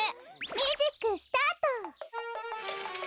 ミュージックスタート！